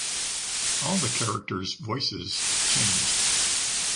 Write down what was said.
All the characters’ voices changed.